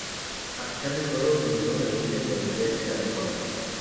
A pesar de todo, ninguna de ellas parecía ser adecuada.